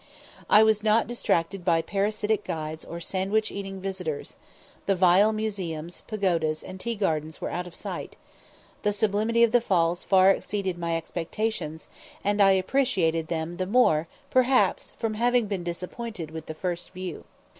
I was not distracted by parasitic guides or sandwich eating visitors; the vile museums, pagodas, and tea gardens were out of sight: the sublimity of the Falls far exceeded my expectations, and I appreciated them the more perhaps from having been disappointed with the first view.